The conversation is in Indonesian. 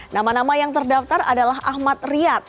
nama nama yang terdaftar adalah ahmad riyad